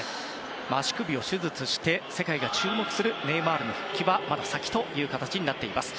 足首を手術して世界が注目するネイマールの復帰はまだ先という形になっています。